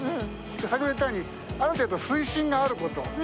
先ほども言ったようにある程度水深があること。